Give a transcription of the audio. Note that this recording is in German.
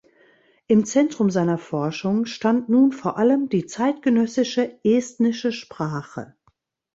Im Zentrum seiner Forschung stand nun vor allem die zeitgenössische estnische Sprache.